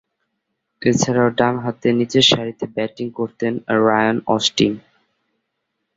এছাড়াও, ডানহাতে নিচেরসারিতে ব্যাটিং করতেন রায়ান অস্টিন।